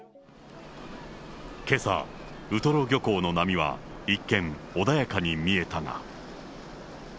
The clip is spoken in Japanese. けさ、ウトロ漁港の波は一見、穏やかに見えたが。